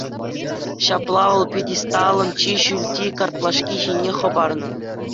Ҫапла вӑл пьедесталӑн чи ҫӳлти картлашки ҫине хӑпарнӑ.